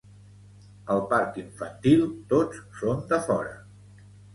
Al parc infantil tots són de fora